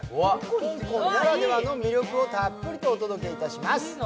香港ならではの魅力をたっぷりとお届けいたします。